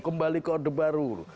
kembali ke orde baru